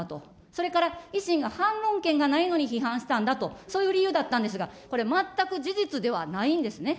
それから維新が反論権がないのに批判したんだと、そういう理由だったんですが、これ、全く事実ではないんですね。